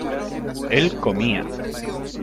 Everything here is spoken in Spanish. él comía